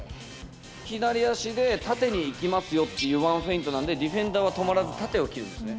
左足で縦にいきますよっていうワンフェイントなんで、ディフェンダーは止まらず縦を切るんですね。